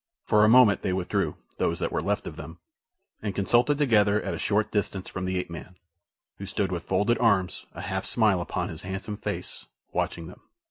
For a moment they withdrew, those that were left of them, and consulted together at a short distance from the ape man, who stood with folded arms, a half smile upon his handsome face, watching them.